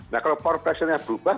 nah kalau power pressurenya berubah